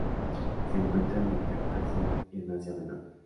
Se encuentra en el Cáucaso y en Asia Menor.